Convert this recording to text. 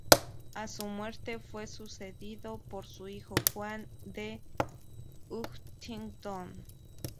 A su muerte fue sucedido por su hijo Juan de Huntingdon.